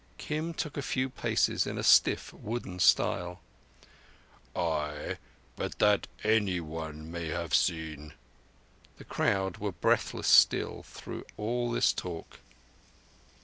Kim took a few paces in a stiff, wooden style. "Ay. But that anyone may have seen." The crowd were breathless—still through all this talk.